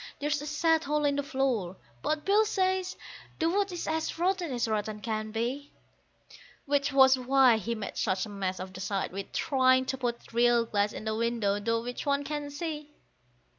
There's a sad hole in the floor, but Bill says the wood is as rotten as rotten can be: Which was why he made such a mess of the side with trying to put real glass in the window, through which one can see.